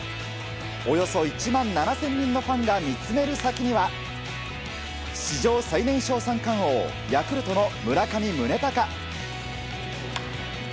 およそ１万７０００人のファンが見つめる先には史上最年少三冠王ヤクルトの村上宗隆。